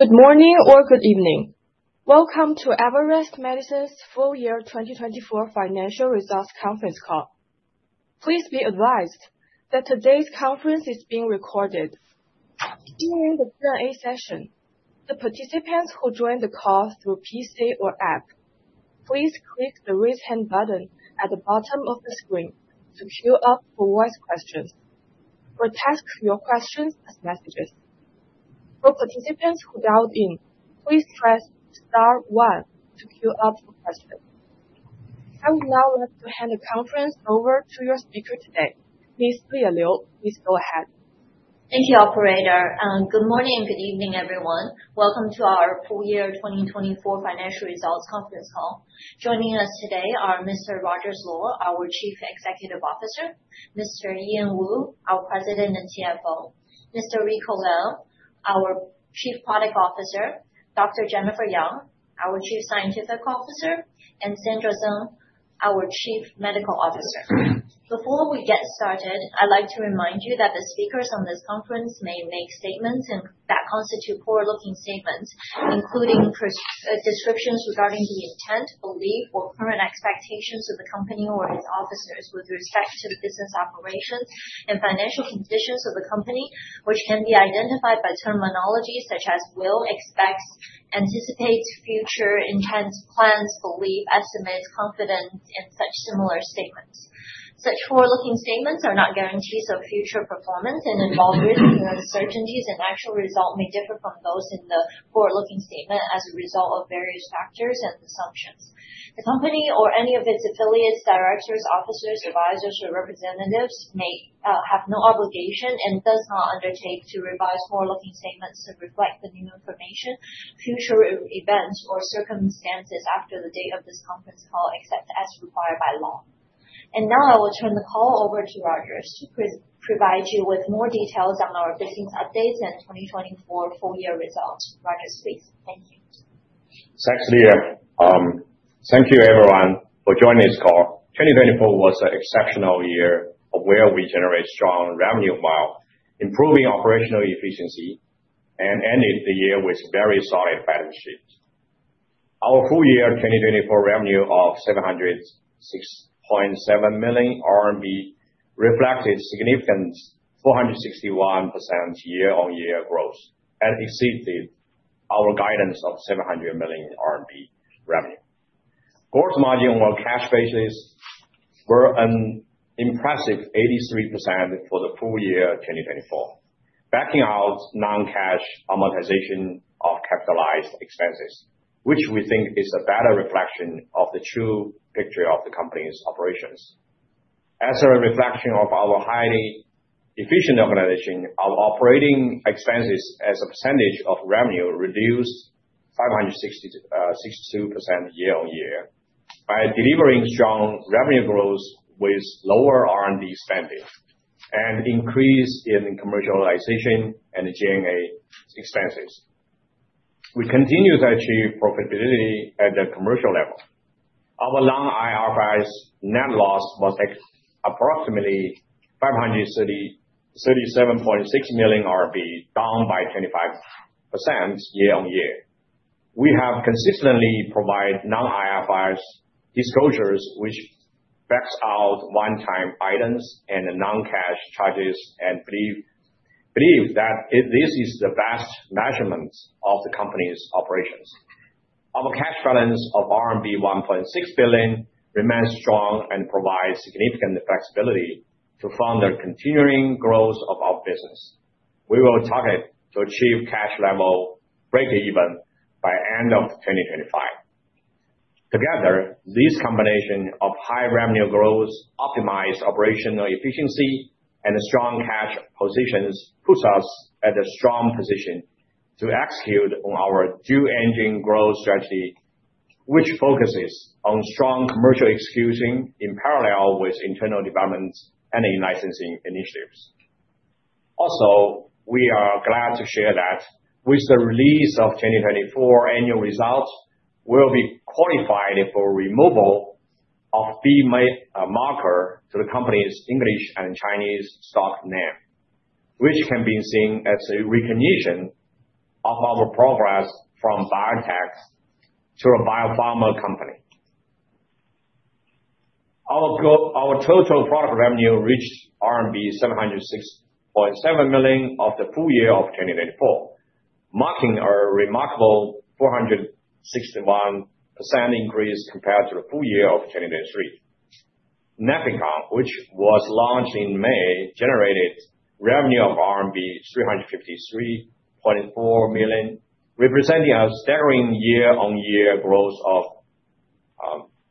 Good morning or good evening. Welcome to Everest Medicines' Full Year 2024 Financial Results Conference Call. Please be advised that today's conference is being recorded. During the Q&A session, the participants who joined the call through PC or app, please click the raise hand button at the bottom of the screen to queue up for voice questions. We'll task your questions as messages. For participants who dialed in, please press star one to queue up for questions. I would now like to hand the conference over to your speaker today, Ms. Leah Liu. Please go ahead. Thank you, Operator. Good morning and good evening, everyone. Welcome to our Full Year 2024 Financial Results Conference Call. Joining us today are Mr. Rogers Luo, our Chief Executive Officer; Mr. Ian Woo, our President and CFO; Mr. Rico Liang, our Chief Product Officer; Dr. Jennifer Yang, our Chief Scientific Officer; and Sandra Zeng, our Chief Medical Officer. Before we get started, I'd like to remind you that the speakers on this conference may make statements that constitute forward-looking statements, including descriptions regarding the intent, belief, or current expectations of the company or its officers with respect to the business operations and financial conditions of the company, which can be identified by terminology such as will, expects, anticipates, future, intent, plans, belief, estimates, confidence, and such similar statements. Such forward-looking statements are not guarantees of future performance and involve risks and uncertainties, and actual results may differ from those in the forward-looking statement as a result of various factors and assumptions. The company or any of its affiliates, directors, officers, advisors, or representatives may have no obligation and does not undertake to revise forward-looking statements to reflect the new information, future events, or circumstances after the date of this conference call, except as required by law. I will turn the call over to Rogers to provide you with more details on our business updates and 2024 full year results. Rogers, please. Thank you. Thanks, Leah. Thank you, everyone, for joining this call. 2024 was an exceptional year of where we generate strong revenue while improving operational efficiency and ended the year with very solid balance sheets. Our full year 2024 revenue of RMB 706.7 million reflected significant 461% year-on-year growth and exceeded our guidance of 700 million RMB revenue. Gross margin on a cash basis were an impressive 83% for the full year 2024, backing out non-cash amortization of capitalized expenses, which we think is a better reflection of the true picture of the company's operations. As a reflection of our highly efficient organization, our operating expenses as a percentage of revenue reduced 562% year-on-year by delivering strong revenue growth with lower R&D spending and increase in commercialization and G&A expenses. We continue to achieve profitability at the commercial level. Our non-IFRS net loss was approximately 537.6 million, down by 25% year-on-year. We have consistently provided non-IFRS disclosures, which backs out one-time items and non-cash charges and believe that this is the best measurement of the company's operations. Our cash balance of RMB 1.6 billion remains strong and provides significant flexibility to fund the continuing growth of our business. We will target to achieve cash level break-even by the end of 2025. Together, this combination of high revenue growth, optimized operational efficiency, and strong cash positions puts us at a strong position to execute on our dual engine growth strategy, which focuses on strong commercial execution in parallel with internal development and in licensing initiatives. Also, we are glad to share that with the release of 2024 annual results, we will be qualified for removal of "B" marker to the company's English and Chinese stock name, which can be seen as a recognition of our progress from biotech to a biopharma company. Our total product revenue reached RMB 706.7 million for the full year of 2024, marking a remarkable 461% increase compared to the full year of 2023. Nefecon, which was launched in May, generated revenue of RMB 353.4 million, representing a staggering year-on-year growth of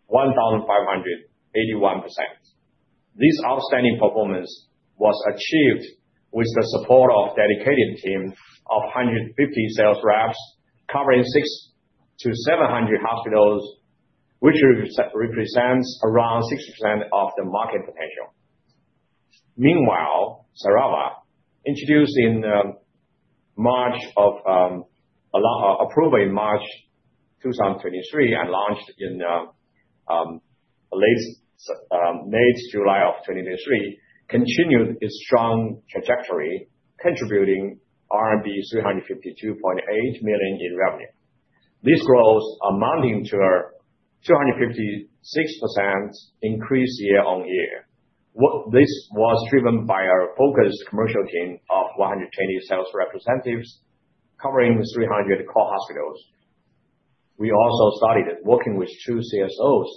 1,581%. This outstanding performance was achieved with the support of a dedicated team of 150 sales reps, covering 600 to 700 hospitals, which represents around 60% of the market potential. Meanwhile, XERAVA, introduced in March with approval in March 2023 and launched in late July of 2023, continued its strong trajectory, contributing RMB 352.8 million in revenue. This growth amounted to a 256% increase year-on-year. This was driven by our focused commercial team of 120 sales representatives, covering 300 core hospitals. We also started working with two CSOs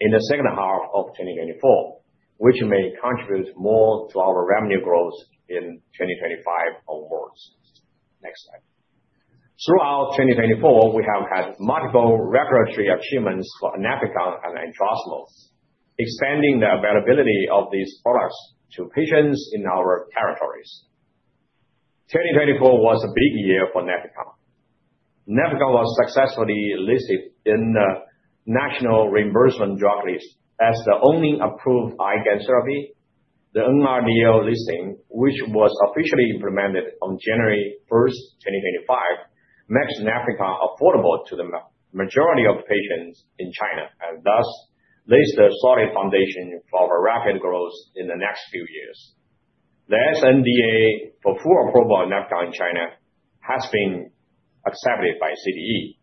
in the second half of 2024, which may contribute more to our revenue growth in 2025 onwards. Next slide. Throughout 2024, we have had multiple record-three achievements for Nefecon and etrasimod, extending the availability of these products to patients in our territories. 2024 was a big year for Nefecon. Nefecon was successfully listed in the National Reimbursement Drug List as the only approved IgA therapy. The NRDL listing, which was officially implemented on 1 January 2025, makes Nefecon affordable to the majority of patients in China and thus lays the solid foundation for rapid growth in the next few years. The SNDA for full approval of Nefecon in China has been accepted by CDE,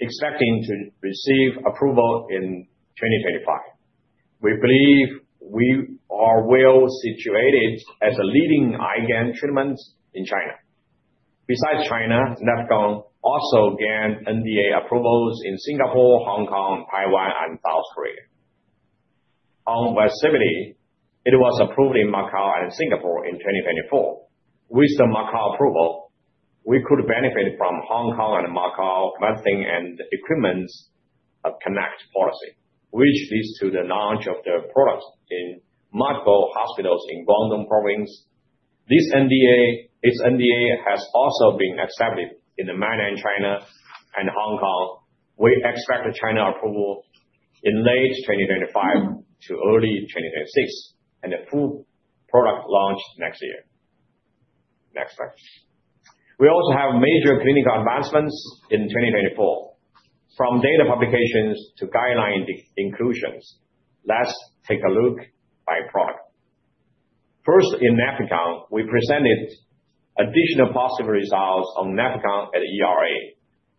expecting to receive approval in 2025. We believe we are well situated as a leading IgA treatment in China. Besides China, Nefecon also gained NDA approvals in Singapore, Hong Kong, Taiwan, and South Korea. On proximity, it was approved in Macau and Singapore in 2024. With the Macau approval, we could benefit from Hong Kong and Macau medicine and equipment connect policy, which leads to the launch of the product in multiple hospitals in Guangdong Province. This NDA has also been accepted in mainland China and Hong Kong. We expect China approval in late 2025 to early 2026 and a full product launch next year. Next slide. We also have major clinical advancements in 2024. From data publications to guideline inclusions, let's take a look by product. First, in Nefecon, we presented additional positive results on Nefecon at ERA.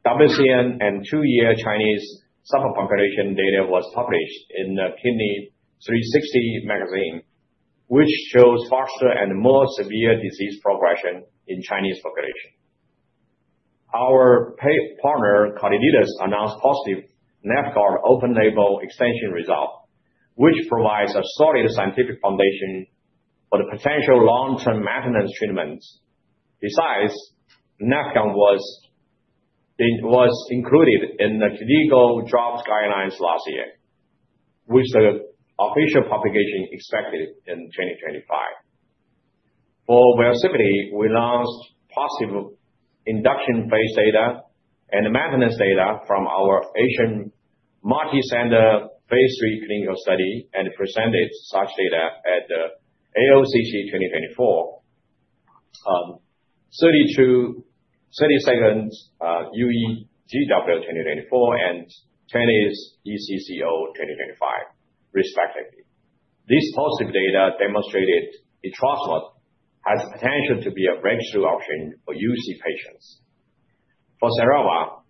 WCN and two-year Chinese subpopulation data was published in the Kidney360 magazine, which shows faster and more severe disease progression in Chinese population. Our partner, Calliditas, announced positive Nefecon open label extension result, which provides a solid scientific foundation for the potential long-term maintenance treatments. Besides, Nefecon was included in the clinical drugs guidelines last year, with the official publication expected in 2025. For Velsipity, we launched positive induction phase data and maintenance data from our Asian multi-center Phase III clinical study and presented such data at the AOCC 2024, 32nd UEGW 2024, and Chinese ECCO 2025, respectively. This positive data demonstrated etrasimod has the potential to be a breakthrough option for UC patients. For XERAVA,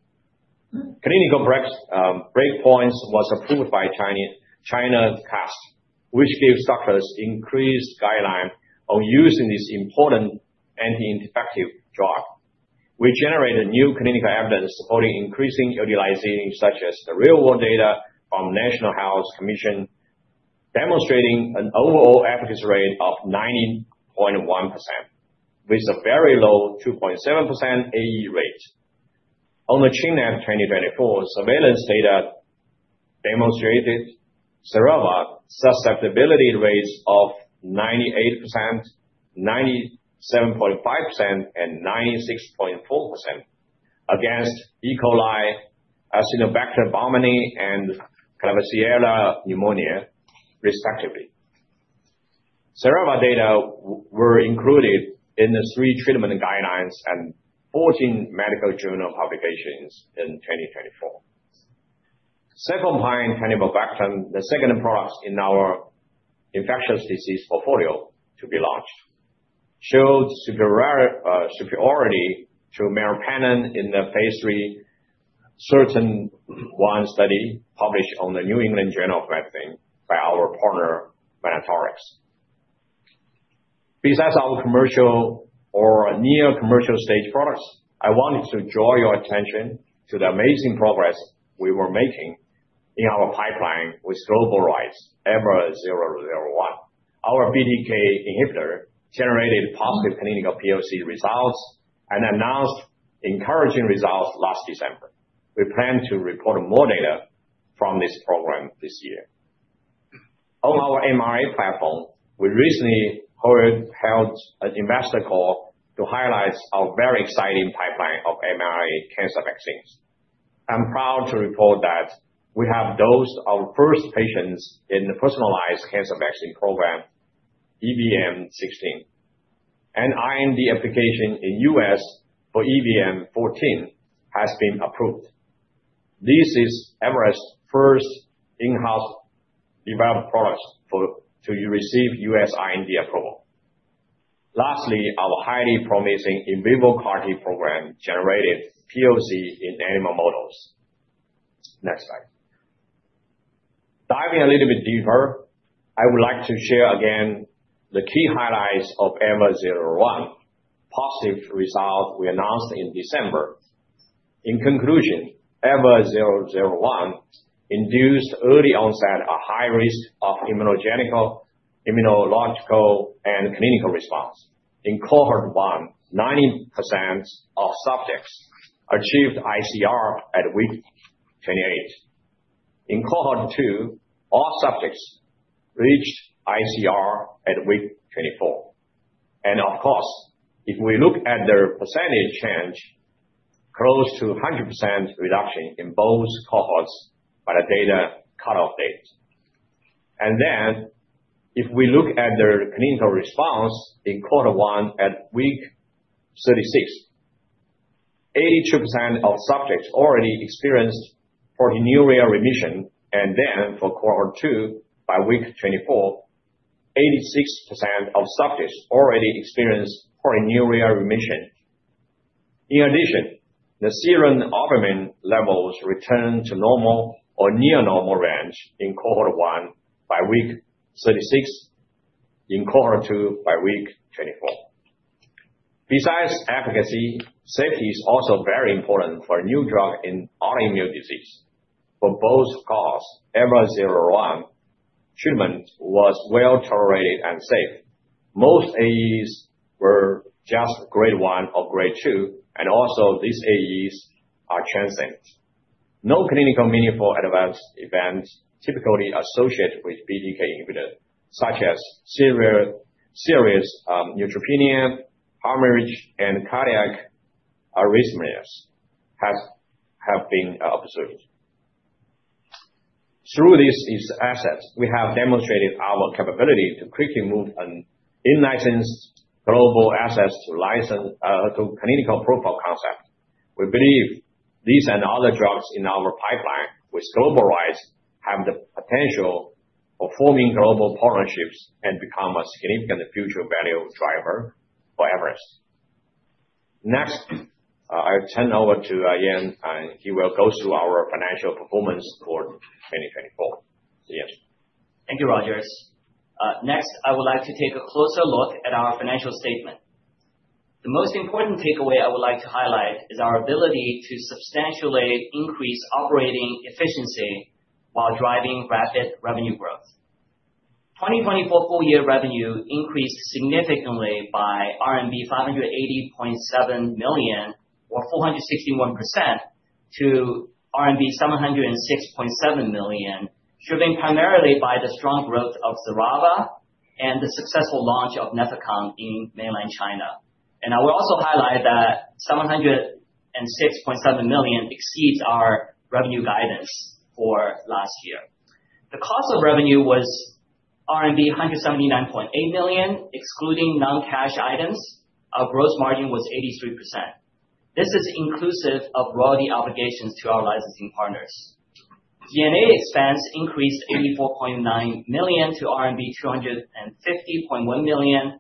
clinical breakpoints were approved by ChiCAST, which gives doctors increased guidelines on using this important anti-infective drug. We generated new clinical evidence supporting increasing utilization, such as the real-world data from the National Health Commission, demonstrating an overall efficacy rate of 90.1%, with a very low 2.7% AE rate. On the CHINET 2024, XERAVA susceptibility rates of 98%, 97.5%, and 96.4% against E. coli, Acinetobacter baumannii, and Klebsiella pneumoniae, respectively. XERAVA data were included in the three treatment guidelines and 14 medical journal publications in 2024. Cefepime-taniborbactam, the second product in our infectious disease portfolio to be launched, showed superiority to meropenem in the phase III, CERTAIN-1 study published on the New England Journal of Medicine by our partner, Venatorx. Besides our commercial or near-commercial stage products, I wanted to draw your attention to the amazing progress we were making in our pipeline with global rights EVER001. Our BTK inhibitor generated positive clinical POC results and announced encouraging results last December. We plan to report more data from this program this year. On our mRNA platform, we recently held an investor call to highlight our very exciting pipeline of mRNA cancer vaccines. I'm proud to report that we have dosed our first patients in the personalized cancer vaccine program, EVM16, and IND application in the US for EVM14 has been approved. This is Everest's first in-house developed product to receive US IND approval. Lastly, our highly promising in vivo CAR-T program generated POC in animal models. Next slide. Diving a little bit deeper, I would like to share again the key highlights of EVER001, positive results we announced in December. In conclusion, EVER001 induced early onset of high risk of immunological and clinical response. In cohort one, 90% of subjects achieved ICR at week 28. In cohort two, all subjects reached ICR at week 24. Of course, if we look at their percentage change, close to 100% reduction in both cohorts by the data cut-off date. If we look at their clinical response in quarter one at week 36, 82% of subjects already experienced proteinuria remission. For cohort two by week 24, 86% of subjects already experienced proteinuria remission. In addition, the serum albumin levels returned to normal or near normal range in cohort one by week 36, in cohort two by week 24. Besides efficacy, safety is also very important for a new drug in autoimmune disease. For both cohorts, EVER001 treatment was well tolerated and safe. Most AEs were just grade one or grade two, and also these AEs are transient. No clinically meaningful adverse events typically associated with BTK inhibitor, such as serious neutropenia, hemorrhage, and cardiac arrhythmias, have been observed. Through these assets, we have demonstrated our capability to quickly move an in-licensed global asset to clinical proof of concept. We believe these and other drugs in our pipeline, with global rights, have the potential for forming global partnerships and become a significant future value driver for Everest. Next, I'll turn over to Ian, and he will go through our financial performance for 2024. Thank you, Rogers. Next, I would like to take a closer look at our financial statement. The most important takeaway I would like to highlight is our ability to substantially increase operating efficiency while driving rapid revenue growth. 2024 full-year revenue increased significantly by RMB 580.7 million, or 461%, to RMB 706.7 million, driven primarily by the strong growth of XERAVA and the successful launch of Nefecon in Mainland China. I will also highlight that 706.7 million exceeds our revenue guidance for last year. The cost of revenue was RMB 179.8 million, excluding non-cash items. Our gross margin was 83%. This is inclusive of royalty obligations to our licensing partners. G&A expense increased 84.9 million to RMB 250.1 million,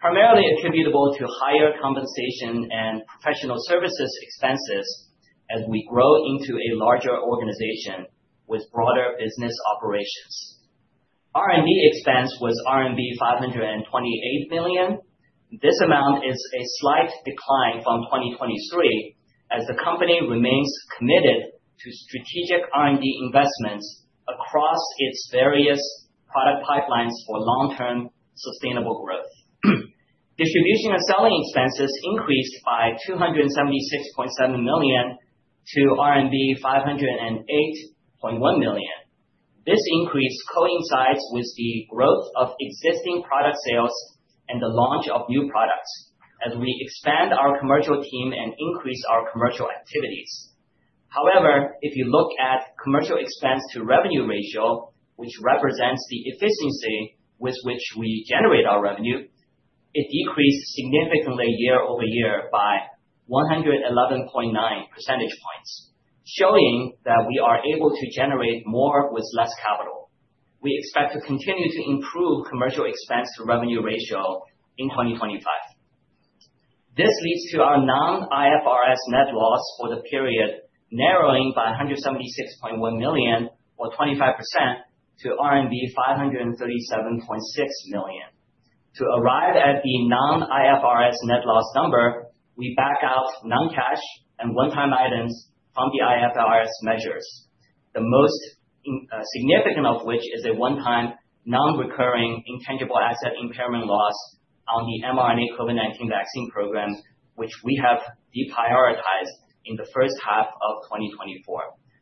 primarily attributable to higher compensation and professional services expenses as we grow into a larger organization with broader business operations. R&D expense was RMB 528 million. This amount is a slight decline from 2023, as the company remains committed to strategic R&D investments across its various product pipelines for long-term sustainable growth. Distribution and selling expenses increased by 276.7 million to RMB 508.1 million. This increase coincides with the growth of existing product sales and the launch of new products as we expand our commercial team and increase our commercial activities. However, if you look at commercial expense to revenue ratio, which represents the efficiency with which we generate our revenue, it decreased significantly year-over-year by 111.9 percentage points, showing that we are able to generate more with less capital. We expect to continue to improve commercial expense to revenue ratio in 2025. This leads to our non-IFRS net loss for the period narrowing by 176.1 million, or 25%, to RMB 537.6 million. To arrive at the non-IFRS net loss number, we back out non-cash and one-time items from the IFRS measures, the most significant of which is a one-time non-recurring intangible asset impairment loss on the mRNA COVID-19 vaccine program, which we have deprioritized in the first half of 2024.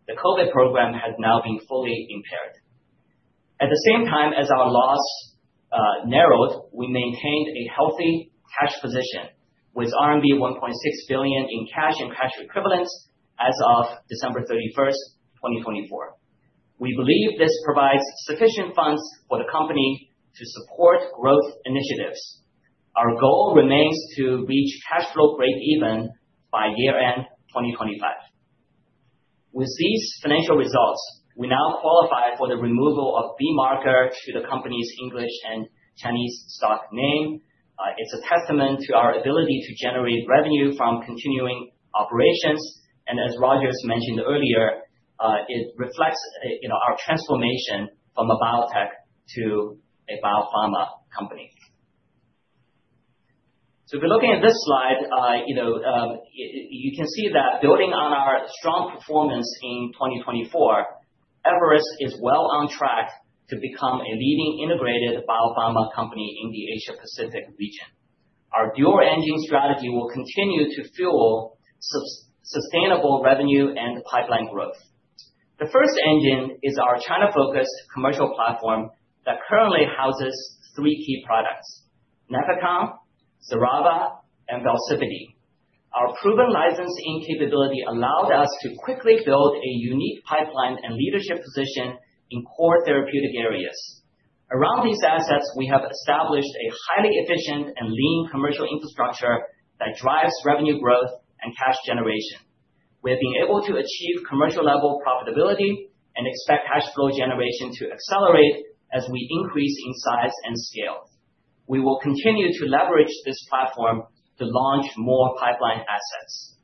The COVID program has now been fully impaired. At the same time as our loss narrowed, we maintained a healthy cash position with RMB 1.6 billion in cash and cash equivalents as of 31 December 2024. We believe this provides sufficient funds for the company to support growth initiatives. Our goal remains to reach cash flow break-even by year-end 2025. With these financial results, we now qualify for the removal of "B" marker to the company's English and Chinese stock name. It is a testament to our ability to generate revenue from continuing operations. As Rogers mentioned earlier, it reflects our transformation from a biotech to a biopharma company. If we are looking at this slide, you can see that building on our strong performance in 2024, Everest is well on track to become a leading integrated biopharma company in the Asia-Pacific region. Our dual engine strategy will continue to fuel sustainable revenue and pipeline growth. The first engine is our China-focused commercial platform that currently houses three key products: Nefecon, XERAVA, and Velsipity. Our proven licensing capability allowed us to quickly build a unique pipeline and leadership position in core therapeutic areas. Around these assets, we have established a highly efficient and lean commercial infrastructure that drives revenue growth and cash generation. We have been able to achieve commercial-level profitability and expect cash flow generation to accelerate as we increase in size and scale. We will continue to leverage this platform to launch more pipeline assets.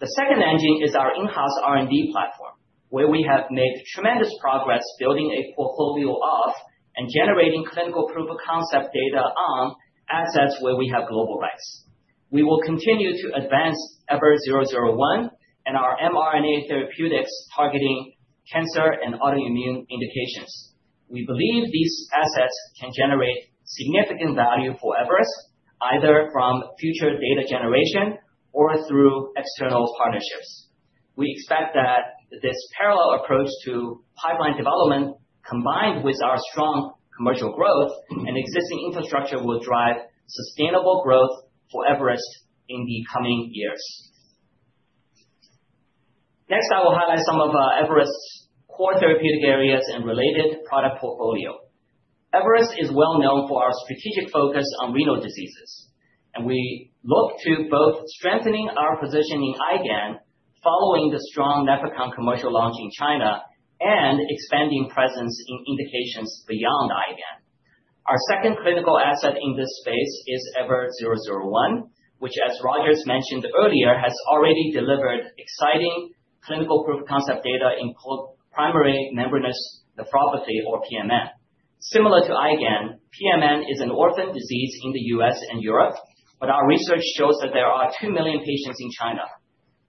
The second engine is our in-house R&D platform, where we have made tremendous progress building a portfolio of and generating clinical proof of concept data on assets where we have global rights. We will continue to advance EVER001 and our mRNA therapeutics targeting cancer and autoimmune indications. We believe these assets can generate significant value for Everest, either from future data generation or through external partnerships. We expect that this parallel approach to pipeline development, combined with our strong commercial growth and existing infrastructure, will drive sustainable growth for Everest in the coming years. Next, I will highlight some of Everest's core therapeutic areas and related product portfolio. Everest is well known for our strategic focus on renal diseases, and we look to both strengthening our position in IgAN following the strong Nefecon commercial launch in China and expanding presence in indications beyond IgAN. Our second clinical asset in this space is EVER001, which, as Rogers mentioned earlier, has already delivered exciting clinical proof of concept data in primary membranous nephropathy, or PMN. Similar to IgAN, PMN is an orphan disease in the U.S. and Europe, but our research shows that there are 2 million patients in China.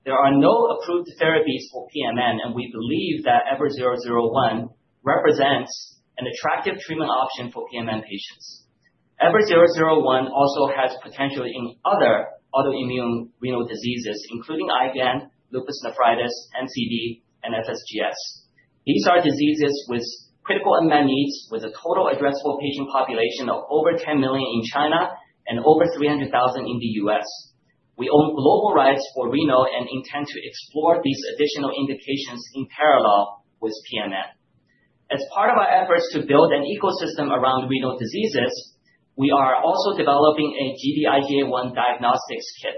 There are no approved therapies for PMN, and we believe that EVER001 represents an attractive treatment option for PMN patients. EVER001 also has potential in other autoimmune renal diseases, including IgAN, lupus nephritis, MCD, and FSGS. These are diseases with critical unmet needs, with a total addressable patient population of over 10 million in China and over 300,000 in the US. We own global rights for renal and intend to explore these additional indications in parallel with PMN. As part of our efforts to build an ecosystem around renal diseases, we are also developing a Gd-IgA1 diagnostics kit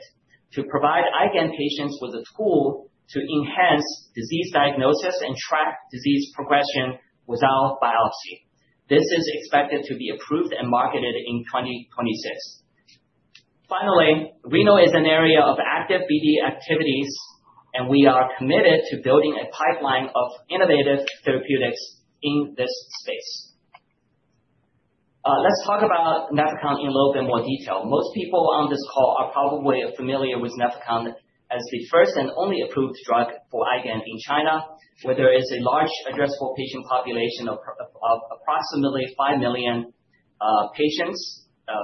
to provide IgAN patients with a tool to enhance disease diagnosis and track disease progression without biopsy. This is expected to be approved and marketed in 2026. Finally, renal is an area of active BD activities, and we are committed to building a pipeline of innovative therapeutics in this space. Let's talk about Nefecon in a little bit more detail. Most people on this call are probably familiar with Nefecon as the first and only approved drug for IgAN in China, where there is a large addressable patient population of approximately 5 million patients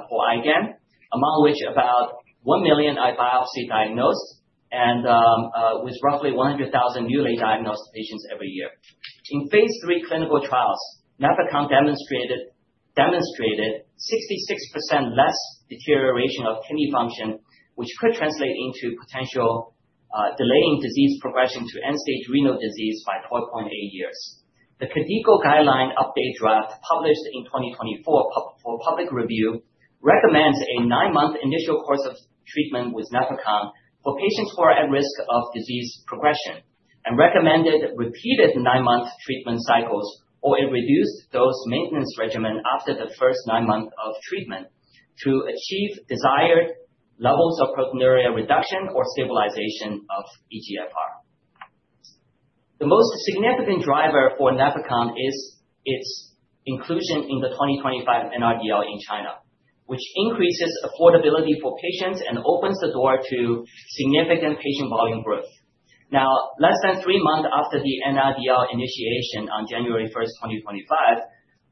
for IgAN, among which about 1 million are biopsy diagnosed and with roughly 100,000 newly diagnosed patients every year. In phase III clinical trials, Nefecon demonstrated 66% less deterioration of kidney function, which could translate into potential delaying disease progression to end-stage renal disease by 12.8 years. The KDIGO guideline update draft published in 2024 for public review recommends a nine-month initial course of treatment with Nefecon for patients who are at risk of disease progression and recommended repeated nine-month treatment cycles or a reduced dose maintenance regimen after the first nine months of treatment to achieve desired levels of proteinuria reduction or stabilization of eGFR. The most significant driver for Nefecon is its inclusion in the 2025 NRDL in China, which increases affordability for patients and opens the door to significant patient volume growth. Now, less than three months after the NRDL initiation on 1 January 2025,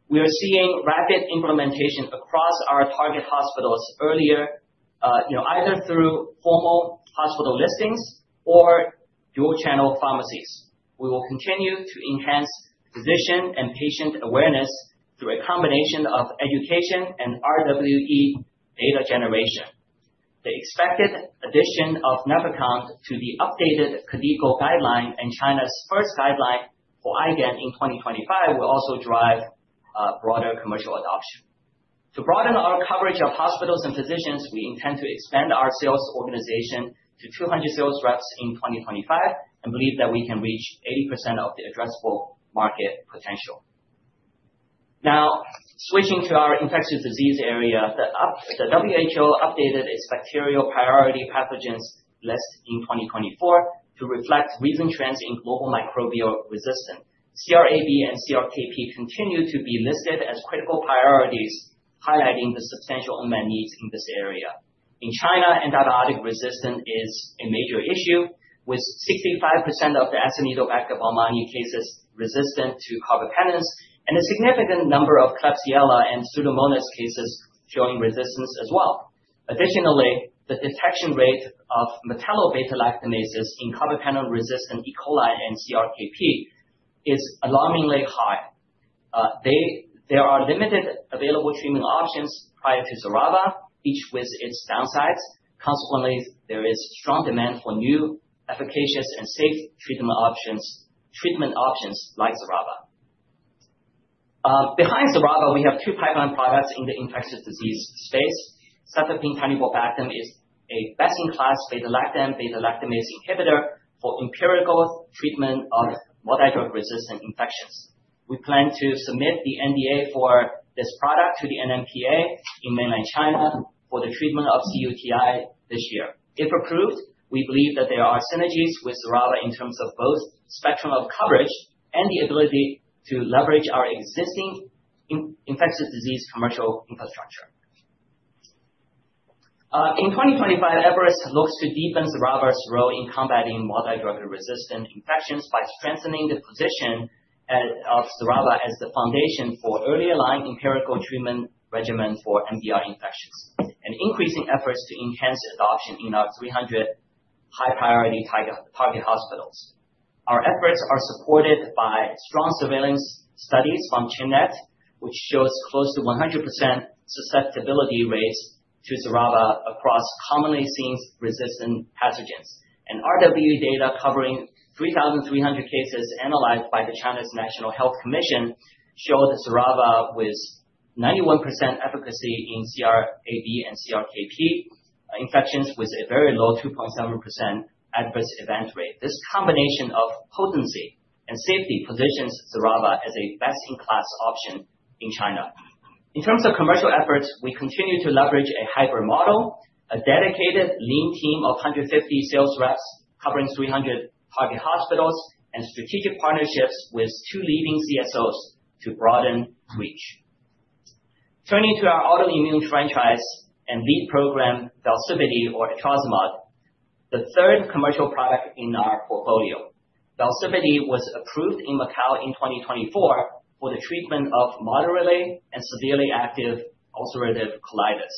we are seeing rapid implementation across our target hospitals earlier, either through formal hospital listings or dual-channel pharmacies. We will continue to enhance physician and patient awareness through a combination of education and RWE data generation. The expected addition of Nefecon to the updated KDIGO guideline and China's first guideline for IgAN in 2025 will also drive broader commercial adoption. To broaden our coverage of hospitals and physicians, we intend to expand our sales organization to 200 sales reps in 2025 and believe that we can reach 80% of the addressable market potential. Now, switching to our infectious disease area, the WHO updated its bacterial priority pathogens list in 2024 to reflect recent trends in global microbial resistance. CRAB and CRKP continue to be listed as critical priorities, highlighting the substantial unmet needs in this area. In China, antibiotic resistance is a major issue, with 65% of the Acinetobacter baumannii cases resistant to carbapenems, and a significant number of Klebsiella and Pseudomonas cases showing resistance as well. Additionally, the detection rate of metallo-beta-lactamases in carbapenems-resistant E. coli and CRKP is alarmingly high. There are limited available treatment options prior to XERAVA, each with its downsides. Consequently, there is strong demand for new, efficacious, and safe treatment options like XERAVA. Behind XERAVA, we have two pipeline products in the infectious disease space. Cefepime-taniborbactam is a best-in-class beta-lactam/beta-lactamase inhibitor for empirical treatment of multidrug-resistant infections. We plan to submit the NDA for this product to the NMPA in mainland China for the treatment of cUTI this year. If approved, we believe that there are synergies with XERAVA in terms of both spectrum of coverage and the ability to leverage our existing infectious disease commercial infrastructure. In 2025, Everest looks to deepen XERAVA's role in combating multidrug-resistant infections by strengthening the position of XERAVA as the foundation for early-aligned empirical treatment regimen for MDR infections and increasing efforts to enhance adoption in our 300 high-priority target hospitals. Our efforts are supported by strong surveillance studies from CHINET, which shows close to 100% susceptibility rates to XERAVA across commonly seen resistant pathogens. RWE data covering 3,300 cases analyzed by the China's National Health Commission showed XERAVA with 91% efficacy in CRAB and CRKP infections with a very low 2.7% adverse event rate. This combination of potency and safety positions XERAVA as a best-in-class option in China. In terms of commercial efforts, we continue to leverage a hybrid model, a dedicated lean team of 150 sales reps covering 300 target hospitals, and strategic partnerships with two leading CSOs to broaden reach. Turning to our autoimmune franchise and lead program, Velsipity or etrasimod, the third commercial product in our portfolio. Velsipity was approved in Macau in 2024 for the treatment of moderately and severely active ulcerative colitis.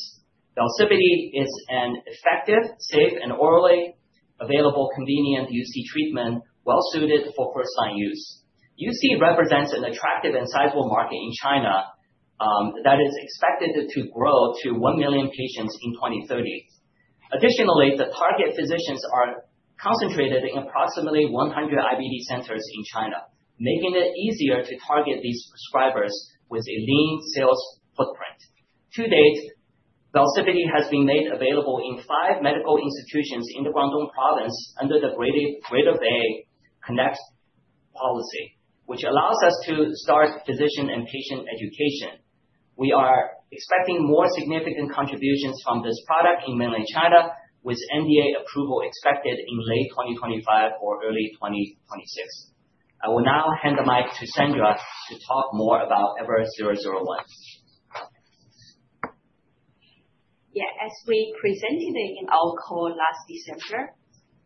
Velsipity is an effective, safe, and orally available, convenient UC treatment well-suited for first-line use. UC represents an attractive and sizable market in China that is expected to grow to 1 million patients in 2030. Additionally, the target physicians are concentrated in approximately 100 IBD centers in China, making it easier to target these prescribers with a lean sales footprint. To date, Velsipity has been made available in five medical institutions in Guangdong Province under the Greater Bay Connect policy, which allows us to start physician and patient education. We are expecting more significant contributions from this product in mainland China, with NDA approval expected in late 2025 or early 2026. I will now hand the mic to Sandra to talk more about EVER001. Yeah, as we presented in our call last December,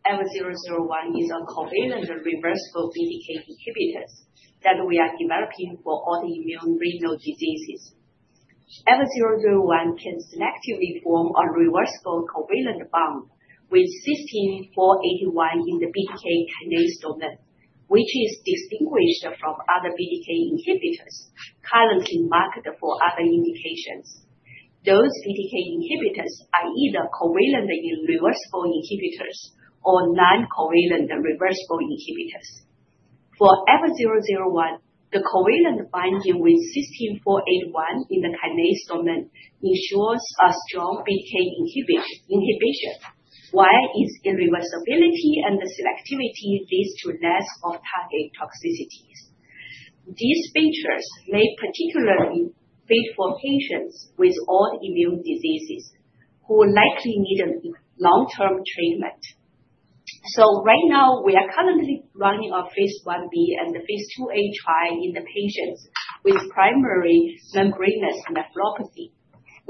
EVER001 is a covalent reversible BTK inhibitor that we are developing for autoimmune renal diseases. EVER001 can selectively form c reversible covalent bond with Cysteine-481 in the BTK kinase domain, which is distinguished from other BTK inhibitors currently marketed for other indications. Those BTK inhibitors are either covalent irreversible inhibitors or non-covalent reversible inhibitors. For EVER001, the covalent binding with Cysteine-481 in the kinase domain ensures a strong BTK inhibition, while its irreversibility and selectivity leads to less off-target toxicities. These features may particularly fit for patients with autoimmune diseases who likely need a long-term treatment. Right now, we are currently running our phase Ib and the phase IIa trial in the patients with primary membranous nephropathy,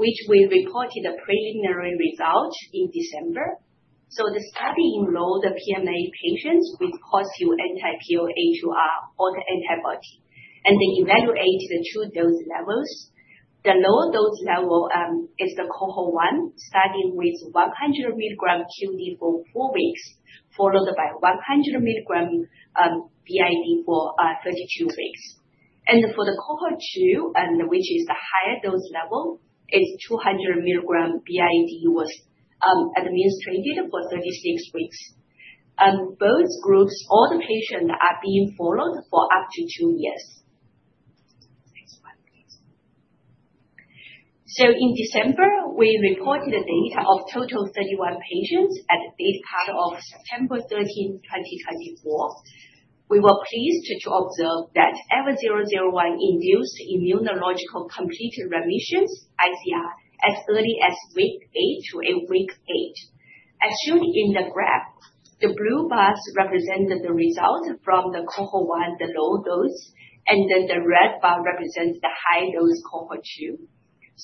which we reported a preliminary result in December. The study enrolled PMN patients with positive anti-PLA2R autoantibody, and they evaluated the two dose levels. The low dose level is the cohort one starting with 100 mg QD for four weeks, followed by 100 mg BID for 32 weeks. For the cohort two, which is the higher dose level, 200 mg BID was administered for 36 weeks. Both groups, all the patients are being followed for up to two years. Next one, please. In December, we reported data of total 31 patients at the data cut of September 13, 2024. We were pleased to observe that EVER001 induced immunological complete remission, ICR, as early as week eight. As shown in the graph, the blue bars represent the result from the cohort one, the low dose, and the red bar represents the high dose cohort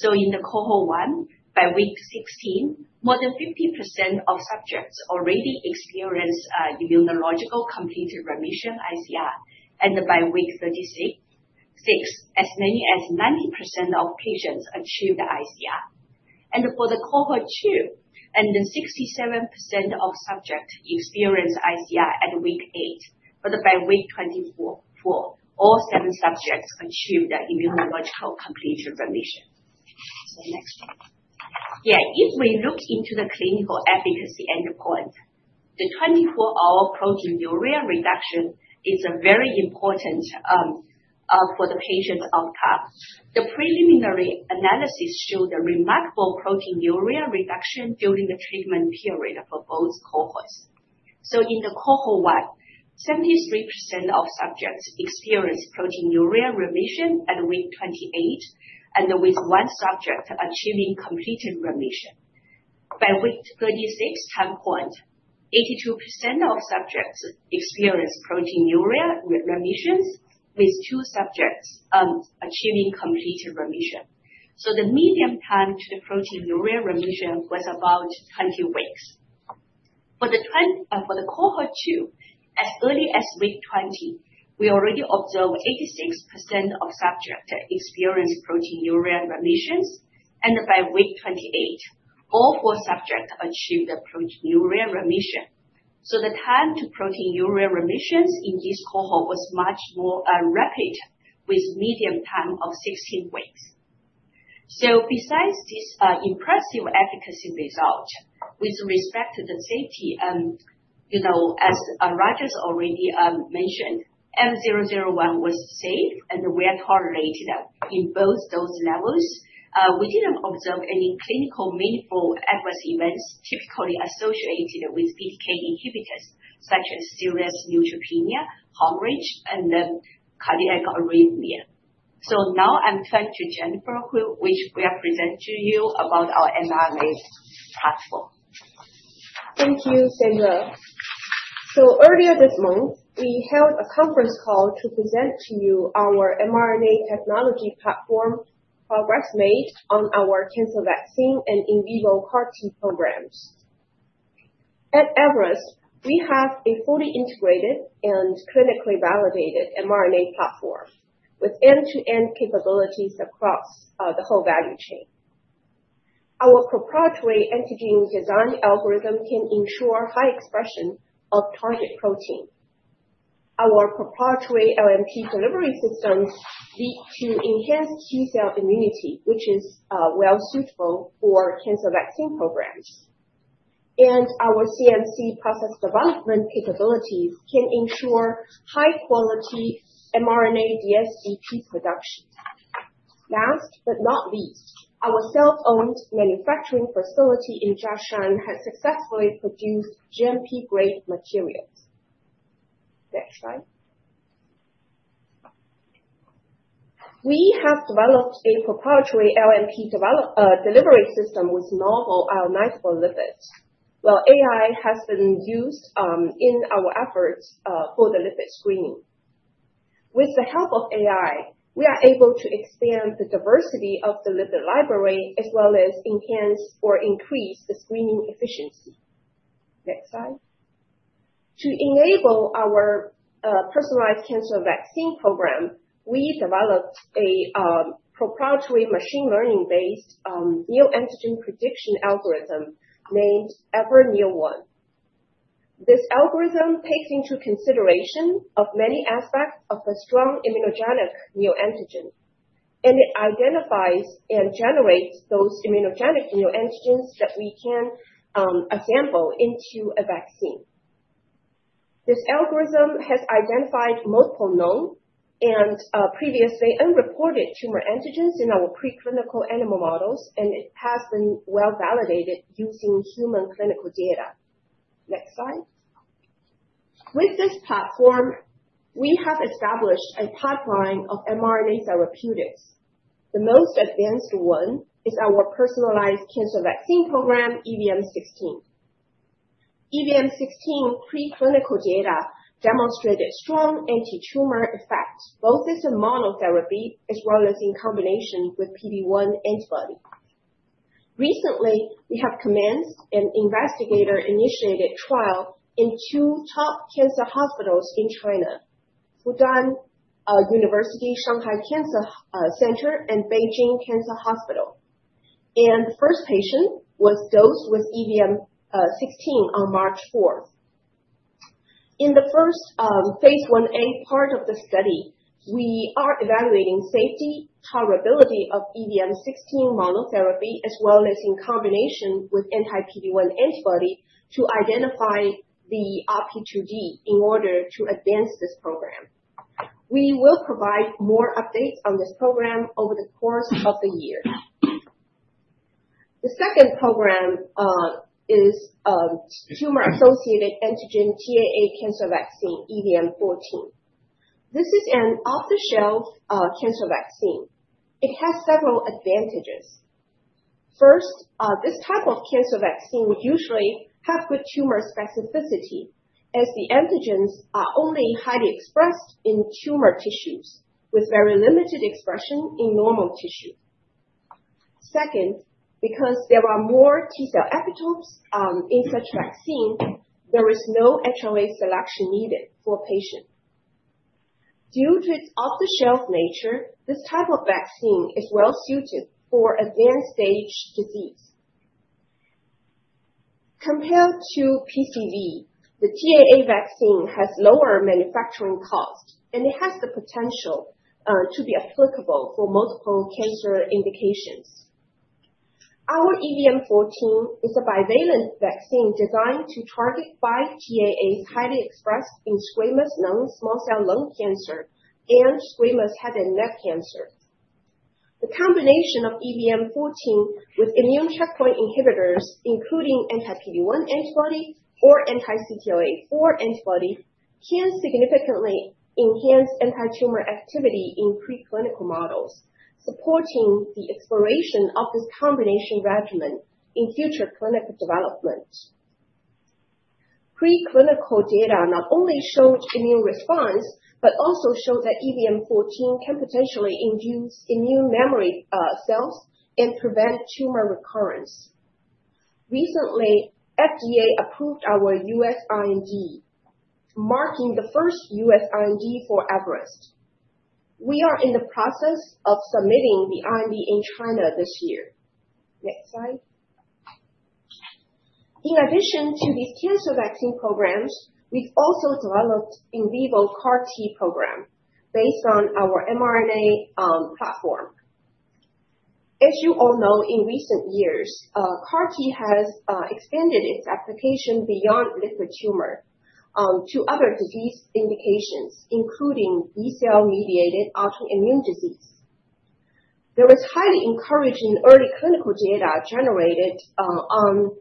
two. In the cohort one, by week 16, more than 50% of subjects already experienced immunological complete remission, ICR, and by week 36, as many as 90% of patients achieved ICR. For the cohort two, 67% of subjects experienced ICR at week eight, but by week 24, all seven subjects achieved immunological complete remission. Next one. If we look into the clinical efficacy endpoint, the 24-hour proteinuria reduction is very important for the patients of CAST. The preliminary analysis showed a remarkable proteinuria reduction during the treatment period for both cohorts. In the cohort one, 73% of subjects experienced proteinuria remission at week 28, with one subject achieving complete remission. By the week 36 time point, 82% of subjects experienced proteinuria remissions, with two subjects achieving complete remission. The median time to the proteinuria remission was about 20 weeks. For the cohort two, as early as week 20, we already observed 86% of subjects experienced proteinuria remissions, and by week 28, all four subjects achieved proteinuria remission. The time to proteinuria remissions in this cohort was much more rapid, with a median time of 16 weeks. Besides this impressive efficacy result, with respect to the safety, as Rogers already mentioned, EVER001 was safe, and we are tolerated in both those levels. We did not observe any clinically meaningful adverse events typically associated with BTK inhibitors, such as serious neutropenia, hemorrhage, and cardiac arrhythmia. Now I am turning to Jennifer, who will be presenting to you about our mRNA platform. Thank you, Sandra. Earlier this month, we held a conference call to present to you our mRNA technology platform, progress made on our cancer vaccine and in vivo CAR-T programs. At Everest, we have a fully integrated and clinically validated mRNA platform with end-to-end capabilities across the whole value chain. Our proprietary antigen design algorithm can ensure high expression of target protein. Our proprietary LNP delivery systems lead to enhanced T cell immunity, which is well suitable for cancer vaccine programs. Our CMC process development capabilities can ensure high-quality mRNA DS/GP production. Last but not least, our self-owned manufacturing facility in Jiangshan has successfully produced GMP-grade materials. Next slide. We have developed a proprietary LNP delivery system with novel ionizable lipids, while AI has been used in our efforts for the lipid screening. With the help of AI, we are able to expand the diversity of the lipid library as well as enhance or increase the screening efficiency. Next slide. To enable our personalized cancer vaccine program, we developed a proprietary machine learning-based neoantigen prediction algorithm named EVER-neo 1. This algorithm takes into consideration many aspects of a strong immunogenic neoantigen, and it identifies and generates those immunogenic neoantigens that we can assemble into a vaccine. This algorithm has identified multiple known and previously unreported tumor antigens in our preclinical animal models, and it has been well validated using human clinical data. Next slide. With this platform, we have established a pipeline of mRNA therapeutics. The most advanced one is our personalized cancer vaccine program, EVM16. EVM16 preclinical data demonstrated strong anti-tumor effects, both as a monotherapy as well as in combination with PD-1 antibody. Recently, we have commenced an investigator-initiated trial in two top cancer hospitals in China, Fudan University Shanghai Cancer Center and Beijing Cancer Hospital. The first patient was dosed with EVM16 on March 4th. In the first phase Ia part of the study, we are evaluating safety and tolerability of EVM16 monotherapy, as well as in combination with anti-PD-1 antibody to identify the RP2D in order to advance this program. We will provide more updates on this program over the course of the year. The second program is tumor-associated antigen TAA cancer vaccine, EVM14. This is an off-the-shelf cancer vaccine. It has several advantages. First, this type of cancer vaccine would usually have good tumor specificity, as the antigens are only highly expressed in tumor tissues, with very limited expression in normal tissue. Second, because there are more T cell epitopes in such vaccine, there is no HLA selection needed for patients. Due to its off-the-shelf nature, this type of vaccine is well suited for advanced stage disease. Compared to PCV, the TAA vaccine has lower manufacturing cost, and it has the potential to be applicable for multiple cancer indications. Our EVM14 is a bivalent vaccine designed to target five TAAs highly expressed in squamous non-small cell lung cancer and squamous head and neck cancer. The combination of EVM14 with immune checkpoint inhibitors, including anti-PD-1 antibody or anti-CTLA-4 antibody, can significantly enhance anti-tumor activity in preclinical models, supporting the exploration of this combination regimen in future clinical development. Preclinical data not only showed immune response, but also showed that EVM14 can potentially induce immune memory cells and prevent tumor recurrence. Recently, FDA approved our US IND, marking the first US IND for Everest. We are in the process of submitting the IND in China this year. Next slide. In addition to these cancer vaccine programs, we've also developed an in vivo CAR-T program based on our mRNA platform. As you all know, in recent years, CAR-T has expanded its application beyond liquid tumor to other disease indications, including B-cell mediated autoimmune disease. There was highly encouraging early clinical data generated on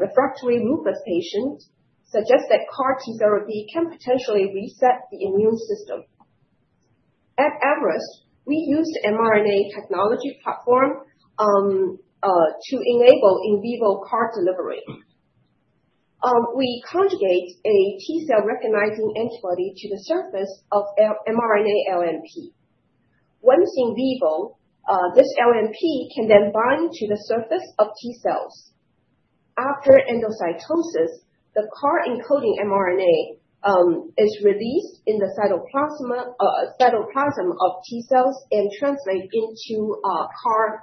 refractory lupus patients that suggests that CAR-T therapy can potentially reset the immune system. At Everest, we used the mRNA technology platform to enable in vivo CAR delivery. We conjugate a T cell recognizing antibody to the surface of mRNA LMP. Once in vivo, this LMP can then bind to the surface of T cells. After endocytosis, the CAR-encoding mRNA is released in the cytoplasm of T cells and translated into CAR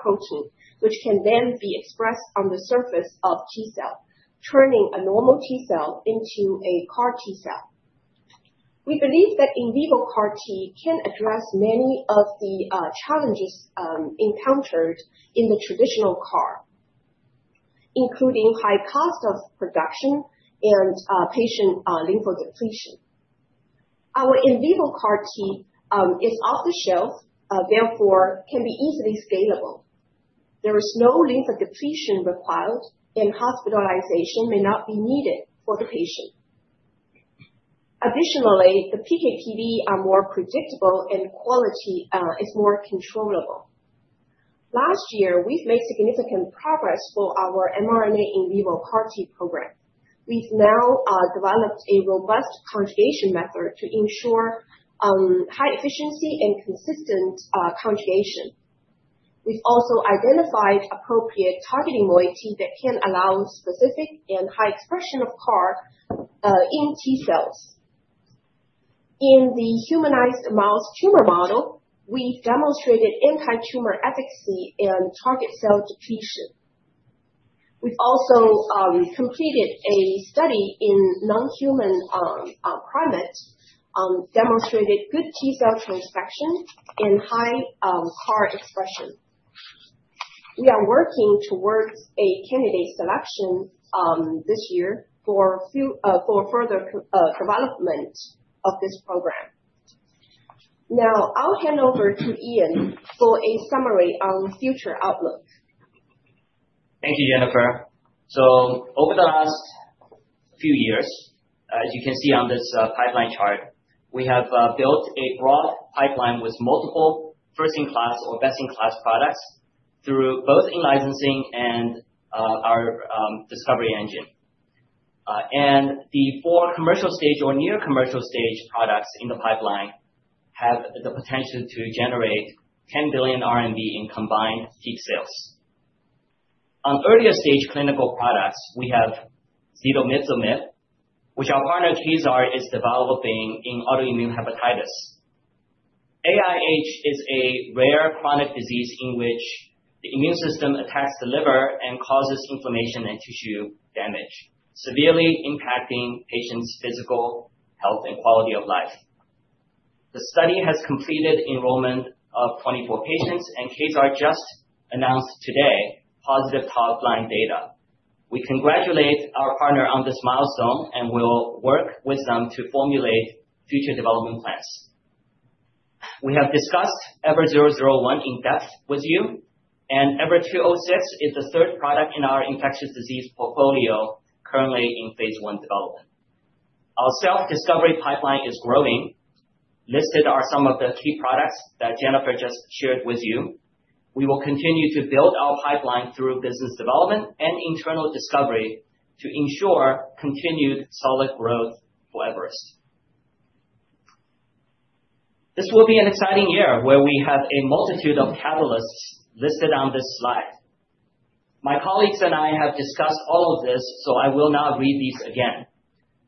protein, which can then be expressed on the surface of T cell, turning a normal T cell into a CAR-T cell. We believe that in vivo CAR-T can address many of the challenges encountered in the traditional CAR, including high cost of production and patient lymphodepletion. Our in vivo CAR-T is off-the-shelf, therefore can be easily scalable. There is no lymphodepletion required, and hospitalization may not be needed for the patient. Additionally, the PK/PD are more predictable, and quality is more controllable. Last year, we've made significant progress for our mRNA in vivo CAR-T program. We've now developed a robust conjugation method to ensure high efficiency and consistent conjugation. We've also identified appropriate targeting moiety that can allow specific and high expression of CAR in T cells. In the humanized mouse tumor model, we've demonstrated anti-tumor efficacy and target cell depletion. We've also completed a study in non-human primates, demonstrated good T cell transfection and high CAR expression. We are working towards a candidate selection this year for further development of this program. Now, I'll hand over to Ian for a summary on future outlook. Thank you, Jennifer. Over the last few years, as you can see on this pipeline chart, we have built a broad pipeline with multiple first-in-class or best-in-class products through both in-licensing and our discovery engine. The four commercial stage or near-commercial stage products in the pipeline have the potential to generate 10 billion RMB in combined peak sales. On earlier stage clinical products, we have zetomifumib, which our partner Kezar is developing in autoimmune hepatitis. AIH is a rare chronic disease in which the immune system attacks the liver and causes inflammation and tissue damage, severely impacting patients' physical health and quality of life. The study has completed enrollment of 24 patients, and Kezar just announced today positive top-line data. We congratulate our partner on this milestone, and we'll work with them to formulate future development plans. We have discussed EVER001 in depth with you, and EVER206 is the third product in our infectious disease portfolio currently in phase I development. Our self-discovery pipeline is growing. Listed are some of the key products that Jennifer just shared with you. We will continue to build our pipeline through business development and internal discovery to ensure continued solid growth for Everest. This will be an exciting year where we have a multitude of catalysts listed on this slide. My colleagues and I have discussed all of this, so I will not read these again,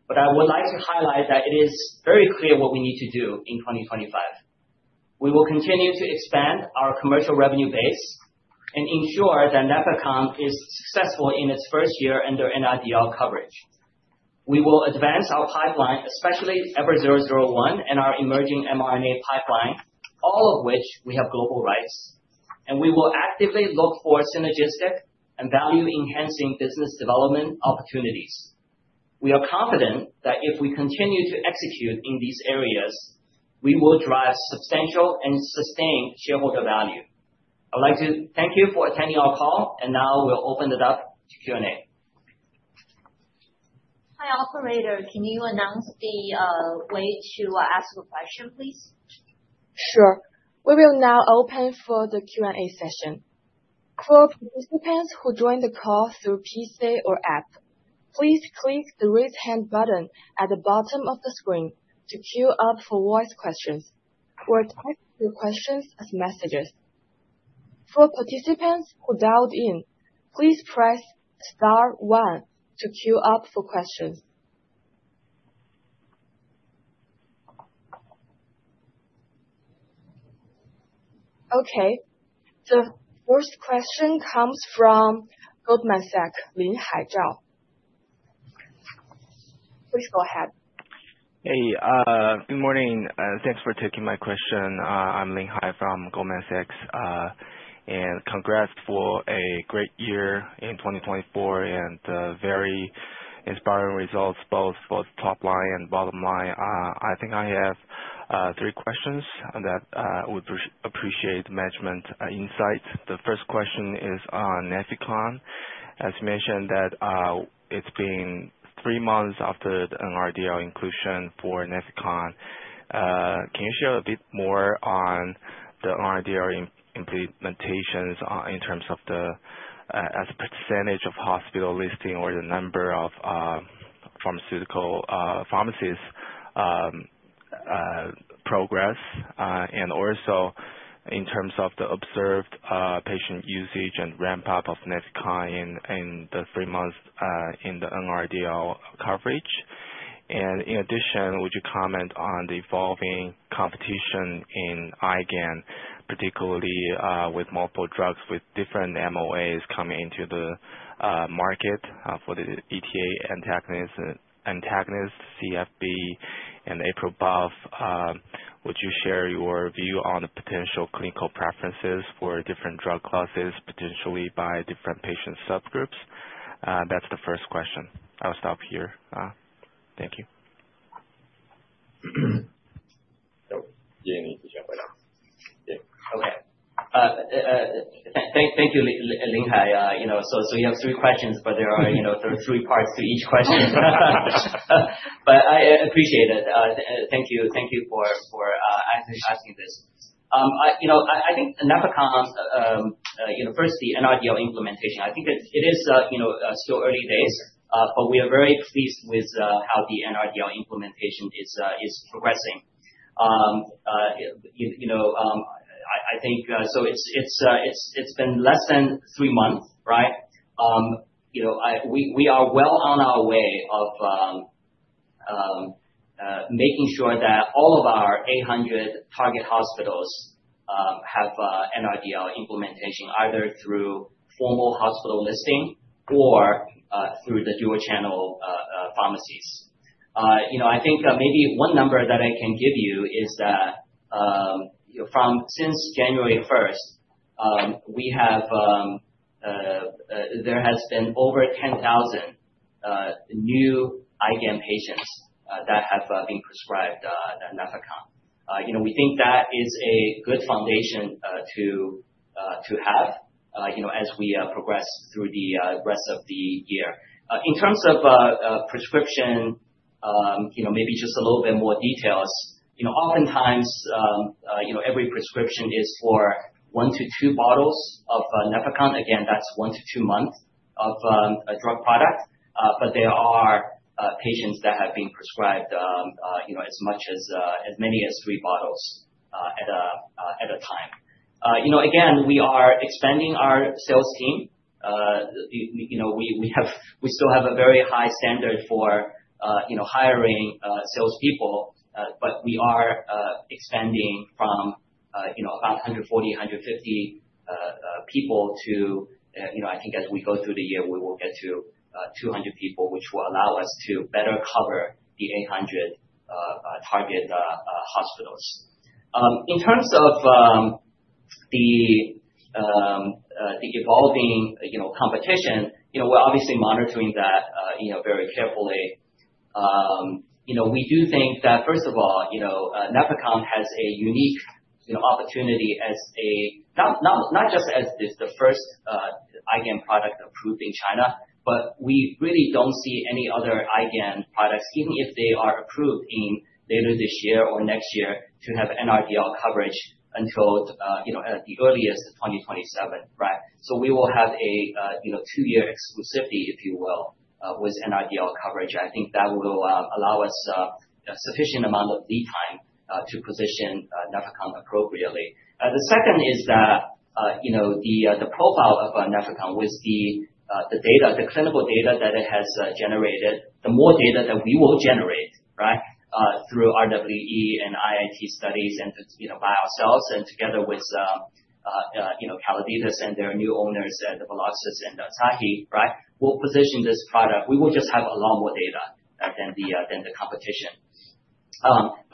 but I would like to highlight that it is very clear what we need to do in 2025. We will continue to expand our commercial revenue base and ensure that Nefecon is successful in its first year under NRDL coverage. We will advance our pipeline, especially EVER001 and our emerging mRNA pipeline, all of which we have global rights, and we will actively look for synergistic and value-enhancing business development opportunities. We are confident that if we continue to execute in these areas, we will drive substantial and sustained shareholder value. I'd like to thank you for attending our call, and now we'll open it up to Q&A. Hi, operator. Can you announce the way to ask a question, please? Sure. We will now open for the Q&A session. For participants who joined the call through PC or app, please click the raise hand button at the bottom of the screen to queue up for voice questions. We'll type your questions as messages. For participants who dialed in, please press star one to queue up for questions. Okay. The first question comes from Goldman Sachs, Linhai Zhao. Please go ahead. Hey, good morning. Thanks for taking my question. I'm Linhai from Goldman Sachs, and congrats for a great year in 2024 and very inspiring results, both for the top line and bottom line. I think I have three questions that would appreciate management insight. The first question is on Nefecon. As mentioned, it's been three months after the NRDL inclusion for Nefecon. Can you share a bit more on the NRDL implementations in terms of the percentage of hospital listing or the number of pharmaceutical pharmacies' progress, and also in terms of the observed patient usage and ramp-up of Nefecon in the three months in the NRDL coverage? In addition, would you comment on the evolving competition in IgAN, particularly with multiple drugs with different MOAs coming into the market for the ETA antagonist, CFB, and APRIL/BAFF? Would you share your view on the potential clinical preferences for different drug classes potentially by different patient subgroups? That is the first question. I'll stop here. Thank you. Thank you, Lin Hai. You have three questions, but there are three parts to each question. I appreciate it. Thank you for asking this. I think Nefecon's first NRDL implementation, I think it is still early days, but we are very pleased with how the NRDL implementation is progressing. It has been less than three months, right? We are well on our way of making sure that all of our 800 target hospitals have NRDL implementation, either through formal hospital listing or through the dual-channel pharmacies. I think maybe one number that I can give you is that since January 1, there has been over 10,000 new IgAN patients that have been prescribed Nefecon. We think that is a good foundation to have as we progress through the rest of the year. In terms of prescription, maybe just a little bit more details. Oftentimes, every prescription is for one to two bottles of Nefecon. Again, that's one to two months of a drug product, but there are patients that have been prescribed as many as three bottles at a time. Again, we are expanding our sales team. We still have a very high standard for hiring salespeople, but we are expanding from about 140-150 people to, I think as we go through the year, we will get to 200 people, which will allow us to better cover the 800 target hospitals. In terms of the evolving competition, we're obviously monitoring that very carefully. We do think that, first of all, Nefecon has a unique opportunity as not just as the first IgAN product approved in China, but we really don't see any other IgAN products, even if they are approved later this year or next year, to have NRDL coverage until the earliest 2027, right? We will have a two-year exclusivity, if you will, with NRDL coverage. I think that will allow us a sufficient amount of lead time to position Nefecon appropriately. The second is that the profile of Nefecon with the clinical data that it has generated, the more data that we will generate, right, through RWE and IIT studies and by ourselves and together with Calliditas and their new owners, Veloxis and Asahi, right, will position this product. We will just have a lot more data than the competition.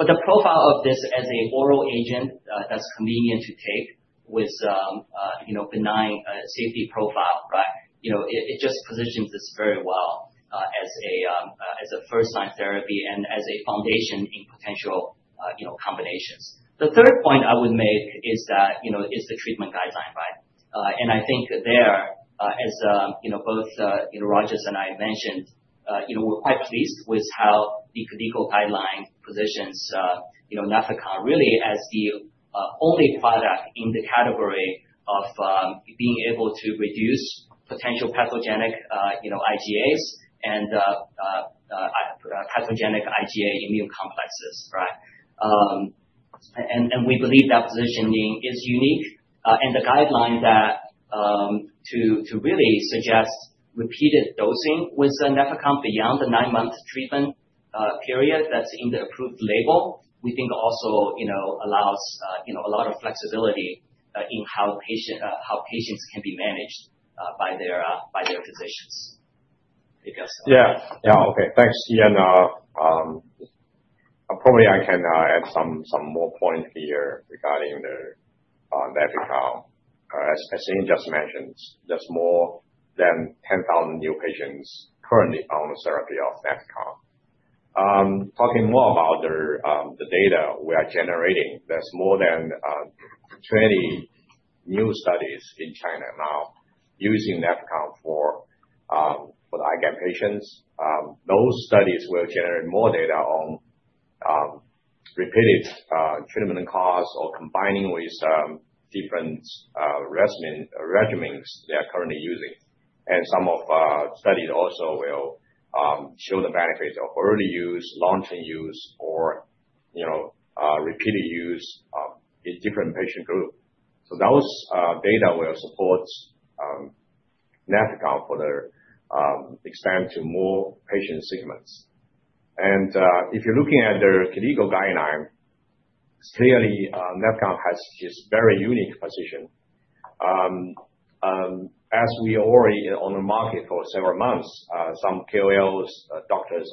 The profile of this as an oral agent that's convenient to take with benign safety profile, right, it just positions this very well as a first-line therapy and as a foundation in potential combinations. The third point I would make is the treatment guideline, right? I think there, as both Rogers and I mentioned, we're quite pleased with how the clinical guideline positions Nefecon really as the only product in the category of being able to reduce potential pathogenic IgAs and pathogenic IgA immune complexes, right? We believe that positioning is unique. The guideline to really suggest repeated dosing with Nefecon beyond the nine-month treatment period that's in the approved label, we think also allows a lot of flexibility in how patients can be managed by their physicians. Yeah. Yeah. Okay. Thanks. I can add some more points here regarding Nefecon. As Ian just mentioned, there are more than 10,000 new patients currently on the therapy of Nefecon. Talking more about the data we are generating, there are more than 20 new studies in China now using Nefecon for the IgAN patients. Those studies will generate more data on repeated treatment costs or combining with different regimens they are currently using. Some of the studies also will show the benefit of early use, long-term use, or repeated use in different patient groups. Those data will support Nefecon for the expansion to more patient segments. If you are looking at the clinical guideline, clearly Nefecon has this very unique position. As we are already on the market for several months, some KOLs, doctors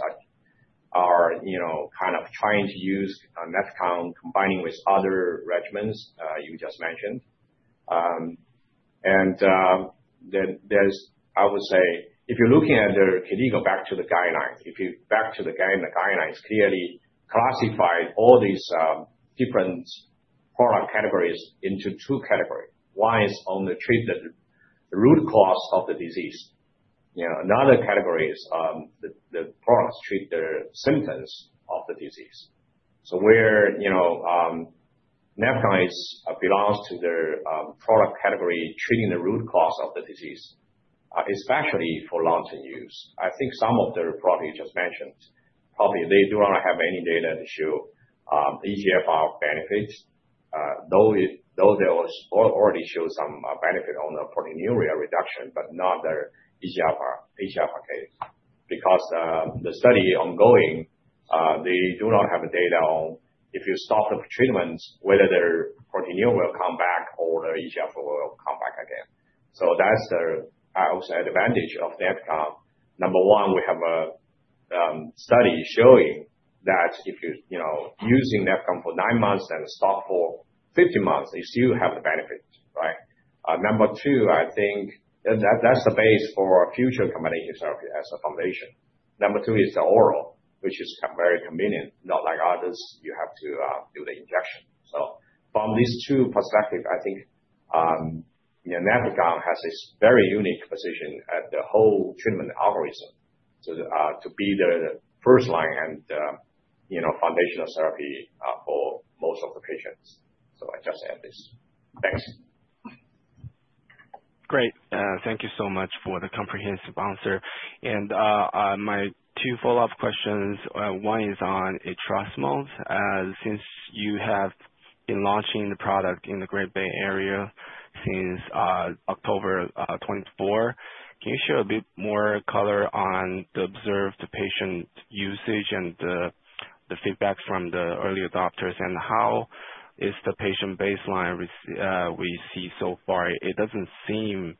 are kind of trying to use Nefecon combining with other regimens you just mentioned. I would say, if you're looking at their clinical back to the guidelines, if you back to the guidelines, clearly classified all these different product categories into two categories. One is on the treatment, the root cause of the disease. Another category is the products treat the symptoms of the disease. Where Nefecon belongs to their product category treating the root cause of the disease, especially for long-term use. I think some of the products you just mentioned, probably they do not have any data to show eGFR benefits, though they already show some benefit on the proteinuria reduction, but not the eGFR case because the study ongoing, they do not have data on if you stop the treatment, whether their proteinuria will come back or the eGFR will come back again. That is also an advantage of Nefecon. Number one, we have a study showing that if you're using Nefecon for nine months and stop for 15 months, you still have the benefit, right? Number two, I think that's the base for future combination therapy as a foundation. Number two is the oral, which is very convenient. Not like others, you have to do the injection. From these two perspectives, I think Nefecon has this very unique position at the whole treatment algorithm to be the first line and foundational therapy for most of the patients. I just add this. Thanks. Great. Thank you so much for the comprehensive answer. My two follow-up questions. One is on etrasimod. Since you have been launching the product in the Greater Bay Area since October 24, can you share a bit more color on the observed patient usage and the feedback from the early adopters? How is the patient baseline we see so far? It does not seem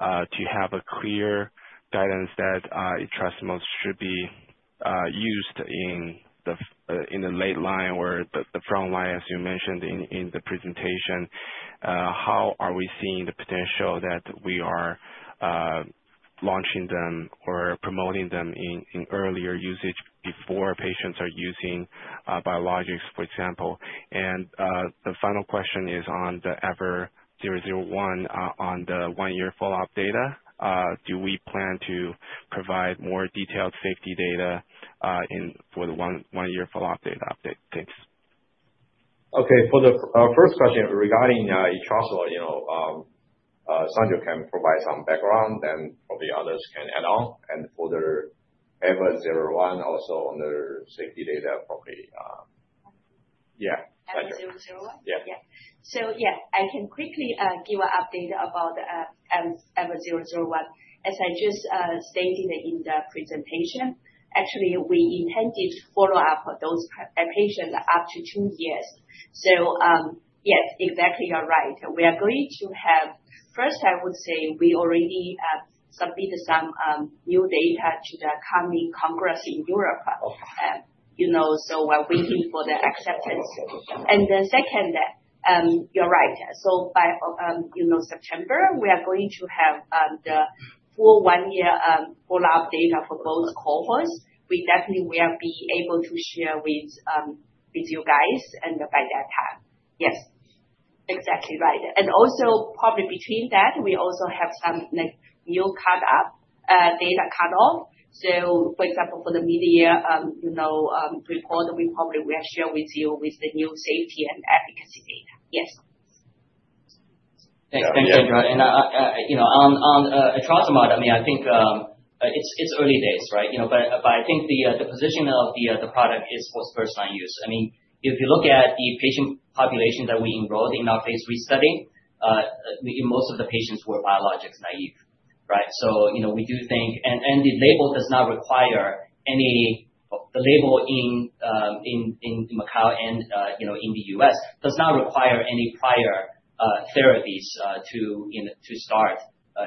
to have a clear guidance that etrasimod should be used in the late line or the front line, as you mentioned in the presentation. How are we seeing the potential that we are launching them or promoting them in earlier usage before patients are using biologics, for example? The final question is on the EVER001 on the one-year follow-up data. Do we plan to provide more detailed safety data for the one-year follow-up data update? Thanks. Okay. For the first question regarding etrasimod, Sandra can provide some background, then probably others can add on. For the EVER001, also on the safety data, probably. Yeah. EVER001? Yeah. Yeah. I can quickly give an update about EVER001. As I just stated in the presentation, actually, we intended to follow up those patients up to two years. Yes, exactly. You're right. We are going to have first, I would say we already submitted some new data to the coming congress in Europe. We're waiting for the acceptance. Second, you're right. By September, we are going to have the full one-year follow-up data for both cohorts. We definitely will be able to share with you guys by that time. Yes. Exactly. Right. Also, probably between that, we also have some new data cut-off. For example, for the mid-year report, we probably will share with you the new safety and efficacy data. Yes. Thanks. Thanks, Sandra. On a etrasimod, I mean, I think it's early days, right? I think the position of the product is for first-line use. I mean, if you look at the patient population that we enrolled in our phase III study, most of the patients were biologics naive, right? We do think, and the label does not require any—the label in Macau and in the U.S. does not require any prior therapies to start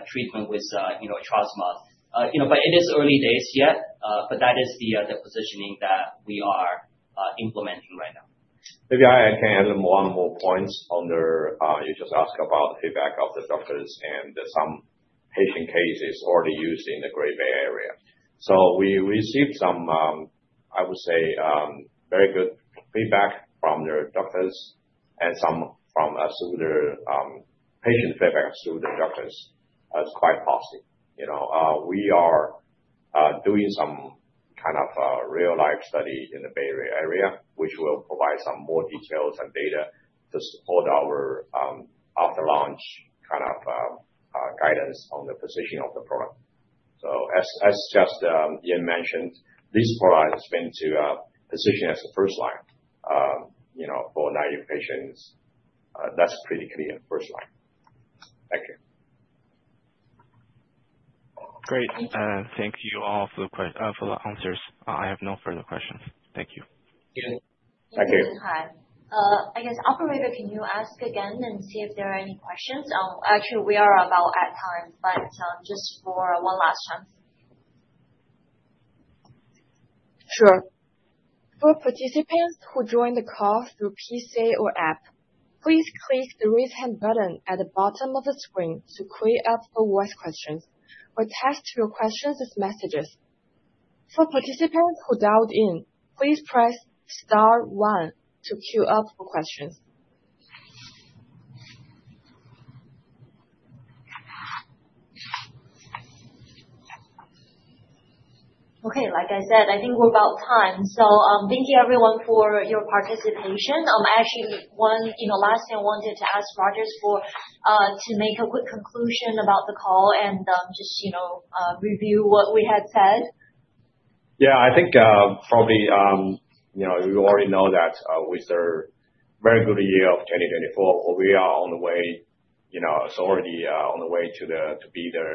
treatment with etrasimod. It is early days yet, but that is the positioning that we are implementing right now. Maybe I can add one more point. You just asked about the feedback of the doctors and some patient cases already used in the Greater Bay Area. We received some, I would say, very good feedback from their doctors and some from patient feedback through the doctors. It is quite positive. We are doing some kind of real-world study in the Greater Bay Area, which will provide some more details and data to support our after-launch kind of guidance on the positioning of the product. As Ian mentioned, this product has been positioned as a first-line for naive patients. That is pretty clear first-line. Thank you. Great. Thank you all for the answers. I have no further questions. Thank you. Thank you. Hi. I guess, operator, can you ask again and see if there are any questions? Actually, we are about at time, but just for one last chance. Sure. For participants who joined the call through PC or app, please click the raise hand button at the bottom of the screen to queue up for voice questions or text your questions as messages. For participants who dialed in, please press star one to queue up for questions. Okay. Like I said, I think we're about time. Thank you, everyone, for your participation. Actually, last thing I wanted to ask Rogers to make a quick conclusion about the call and just review what we had said. Yeah. I think probably you already know that with the very good year of 2024, we are on the way, it's already on the way to be the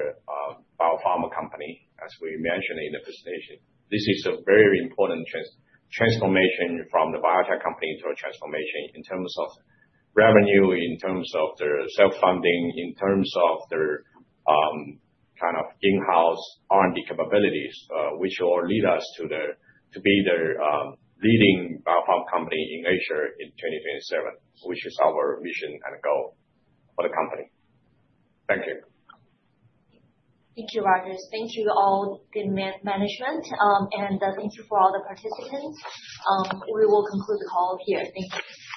biopharma company, as we mentioned in the presentation. This is a very important transformation from the biotech company to a transformation in terms of revenue, in terms of their self-funding, in terms of their kind of in-house R&D capabilities, which will lead us to be the leading biopharma company in Asia in 2027, which is our mission and goal for the company. Thank you. Thank you, Rogers. Thank you all, good management. Thank you for all the participants. We will conclude the call here. Thank you.